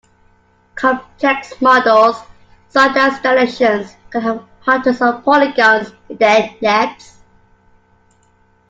Complex models, such as stellations, can have hundreds of polygons in their nets.